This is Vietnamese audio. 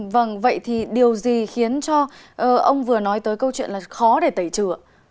vâng vậy thì điều gì khiến cho ông vừa nói tới câu chuyện là khó để tẩy trừ